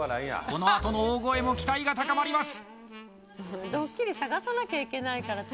このあとの大声も期待が高まります